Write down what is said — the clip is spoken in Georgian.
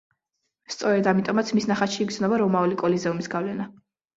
სწორედ ამიტომაც მის ნახატში იგრძნობა რომაული კოლიზეუმის გავლენა.